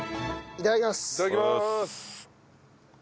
いただきまーす。